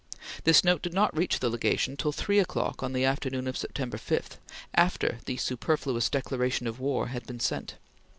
This note did not reach the Legation till three o'clock on the afternoon of September 5 after the "superfluous" declaration of war had been sent.